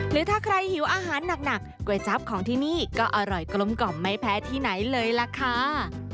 หรือถ้าใครหิวอาหารหนักก๋วยจั๊บของที่นี่ก็อร่อยกลมกล่อมไม่แพ้ที่ไหนเลยล่ะค่ะ